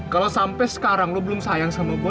kalau sampai sekarang lo belum sayang sama gue